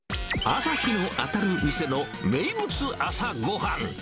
朝日の当たる店の名物朝ご飯。